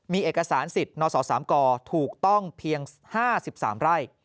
มีเอกสารสิทธิ์นศ๓กถูกต้องเพียง๕๓ไร่